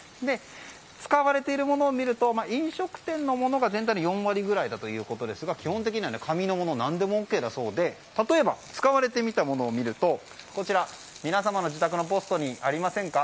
使われているものを見ると飲食店のものが全体の４割ぐらいだということですが基本的には紙のものなら何でもＯＫだそうで例えば使われてみたものを見ると皆さんの自宅のポストにありませんか。